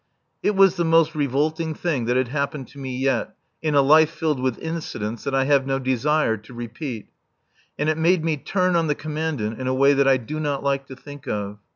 It was the most revolting thing that had happened to me yet, in a life filled with incidents that I have no desire to repeat. And it made me turn on the Commandant in a way that I do not like to think of.